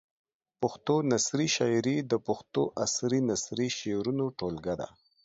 پښتو نثري شاعري د پښتو عصري نثري شعرونو ټولګه ده.